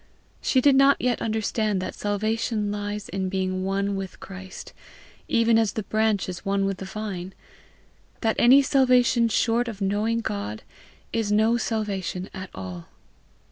She did not yet understand that salvation lies in being one with Christ, even as the branch is one with the vine; that any salvation short of knowing God is no salvation at all.